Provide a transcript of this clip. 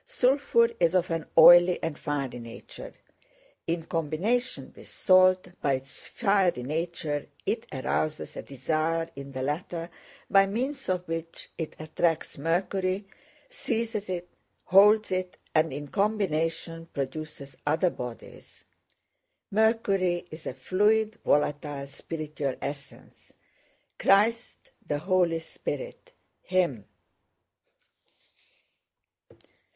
Sulphur is of an oily and fiery nature; in combination with salt by its fiery nature it arouses a desire in the latter by means of which it attracts mercury, seizes it, holds it, and in combination produces other bodies. Mercury is a fluid, volatile, spiritual essence. Christ, the Holy Spirit, Him!...